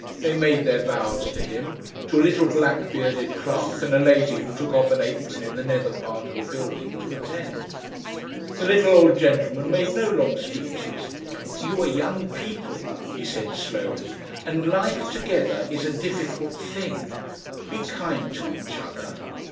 They made their vows to him, to a little black bearded clerk and a lady who took off an apron in the nether part of the building to attend. The little old gentleman made no long speeches. "You are young people," he said slowly, "and life together is a difficult thing.... Be kind to each other."